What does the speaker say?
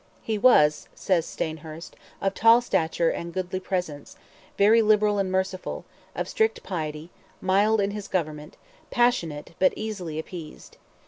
He was, says Stainhurst, "of tall stature and goodly presence; very liberal and merciful; of strict piety; mild in his government; passionate, but easily appeased."